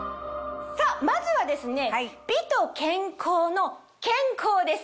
まずはですね美と健康の「健康」です。